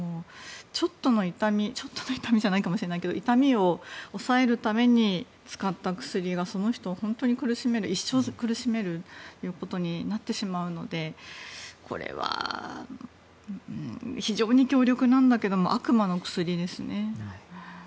ちょっとの痛みちょっとの痛みじゃないかもしれないけど痛みを抑えるために使った薬がその人を本当に苦しめる一生苦しめるということになってしまうのでこれは非常に強力なんだけど悪魔の薬ですね。